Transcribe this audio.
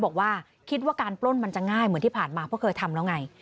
บอกว่าคิดว่าการปล้นมันจะง่ายเหมือนที่ผ่านมาเพราะเคยทำแล้วไง